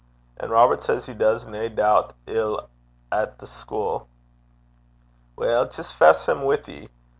An' Robert says he does nae that ill at the schuil.' 'Weel, jist fess him wi' ye.